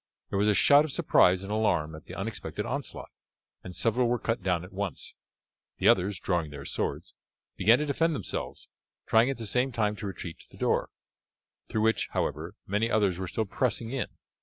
There was a shout of surprise and alarm at the unexpected onslaught, and several were cut down at once. The others, drawing their swords, began to defend themselves, trying at the same time to retreat to the door, through which, however, many others were still pressing in.